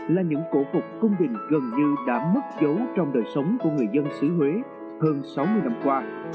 là những cổ phục công bình gần như đã mất dấu trong đời sống của người dân sứ huế hơn sáu mươi năm qua